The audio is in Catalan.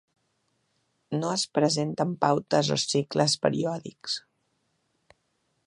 No es presenten pautes o cicles periòdics.